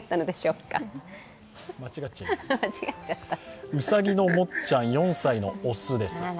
うさぎのもっちゃん４歳の雄です。